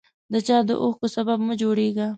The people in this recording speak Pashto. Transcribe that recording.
د چا د اوښکو سبب مه جوړیږه